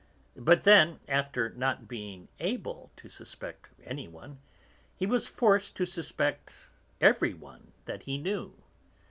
But then, after not having been able to suspect anyone, he was forced to suspect everyone that he knew.